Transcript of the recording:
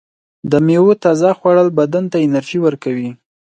د میوو تازه خوړل بدن ته انرژي ورکوي.